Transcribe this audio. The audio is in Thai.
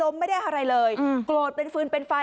ไปดูคลิปกันหน่อยค่ะ